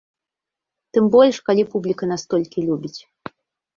Тым больш, калі публіка настолькі любіць.